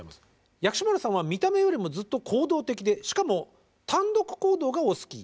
「薬師丸さんは見た目よりもずっと行動的でしかも単独行動がお好き。